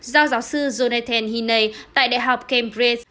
do giáo sư jonathan hiney tại đại học cambridge